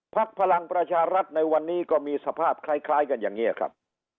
พลังประชารัฐในวันนี้ก็มีสภาพคล้ายกันอย่างนี้ครับ